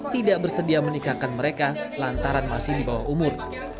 tidak bersedia menikahkan mereka lantaran masih di bawah umur